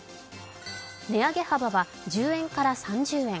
値上げ幅は１０円から３０円。